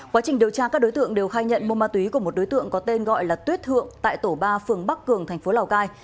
quá trình điều tra các đối tượng đều khai nhận mua ma túy của một đối tượng có tên gọi là tuyết thượng tại tổ ba phường bắc cường thành phố lào cai